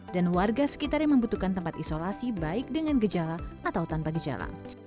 dan warga sekitar yang membutuhkan tempat isolasi baik dengan gejala atau tanpa gejala